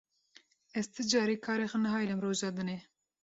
Ez ti carî karê xwe nahêlim roja dinê.